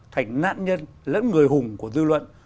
thành nạn nhân lẫn người hùng của dư luận